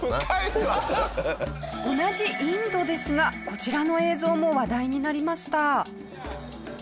同じインドですがこちらの映像も話題になりました。